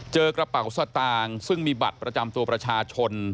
เจอกระเป๋าสตางค์ซึ่งมีบัตรประจำตัวประชาชน